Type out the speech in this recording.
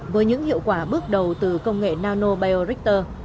với những hiệu quả bước đầu từ công nghệ nano biorecter